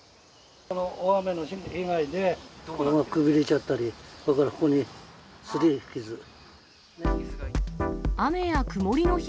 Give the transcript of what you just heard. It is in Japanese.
大雨の被害で、これもくびれちゃったり、それからここにすり傷。